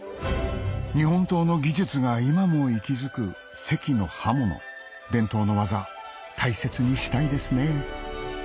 日本刀の技術が今も息づく関の刃物伝統の技大切にしたいですね